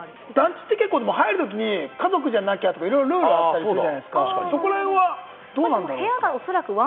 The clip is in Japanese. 団地って入るときに家族じゃなきゃとか、ルールがあったりするじゃないですか、そこらへんはどうなんだろう？